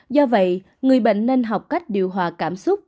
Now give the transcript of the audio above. do vậy người bệnh nên học cách điều hòa cảm xúc